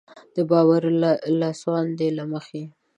د باوري لاسوندو له مخې.